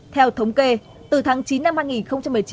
theo thống kê từ tháng chín năm hai nghìn hai